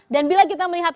dan bila kita melihat